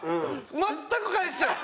全く返してない。